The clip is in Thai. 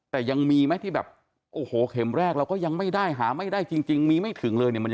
แต่ยังมีไหมที่แบบโอ้โหเข็มแรกเราก็ยังไม่ได้หาไม่ได้จริงมีไม่ถึงเลยเนี่ย